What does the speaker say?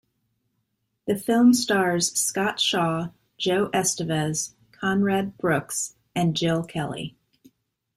The film stars Scott Shaw, Joe Estevez, Conrad Brooks, and Jill Kelly.